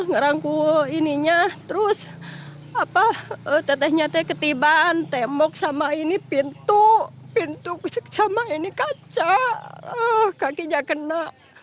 ngerangkul ininya terus tetehnya teh ketiban tembok sama ini pintu pintu sama ini kaca kakinya kena